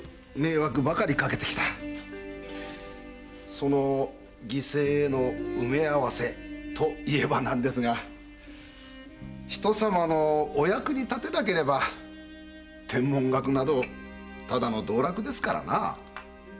その犠牲への埋め合わせと言えば何ですが人さまのお役に立てなければ天文学などただの道楽ですから。